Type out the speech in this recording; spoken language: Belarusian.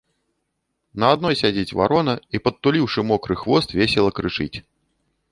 На адной сядзіць варона і, падтуліўшы мокры хвост, весела крычыць.